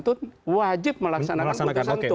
tentu wajib melaksanakan putusan tur